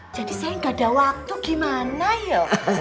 jadi saya gak ada waktu gimana yuk